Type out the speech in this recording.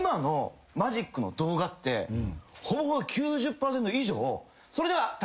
ほぼほぼ９０％以上。